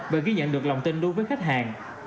và ghi nhận được lòng tin đối với khách hàng